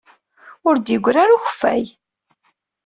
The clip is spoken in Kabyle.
Ur d-yeggri ara ukeffay.